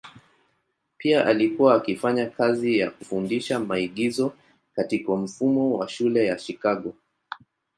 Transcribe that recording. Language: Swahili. Pia alikuwa akifanya kazi ya kufundisha maigizo katika mfumo wa shule ya Chicago.